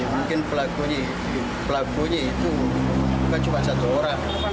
mungkin pelakunya pelakunya itu bukan cuma satu orang